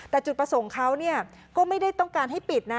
แต่จุดประสงค์เขาก็ไม่ได้ต้องการให้ปิดนะ